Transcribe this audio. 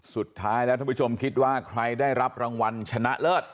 สุดท้ายแล้วท่านผู้ชมคิดว่าใครได้รับรางวัลชนะเลิศ